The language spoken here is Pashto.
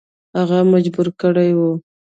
هغه مجبور کړی وو.